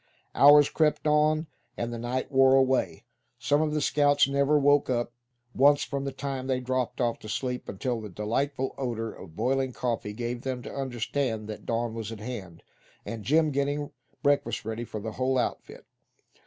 Hours crept on, and the night wore away. Some of the scouts never woke up once from the time they dropped off to sleep until the delightful odor of boiling coffee gave them to understand that dawn was at hand, and Jim getting breakfast ready for the whole outfit.